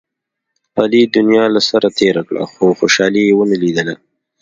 علي دنیا له سره تېره کړه، خو خوشحالي یې و نه لیدله.